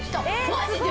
マジで？